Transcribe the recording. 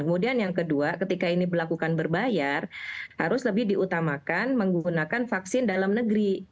kemudian yang kedua ketika ini berlakukan berbayar harus lebih diutamakan menggunakan vaksin dalam negeri